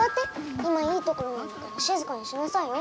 今いいところなんだからしずかにしなさいよ。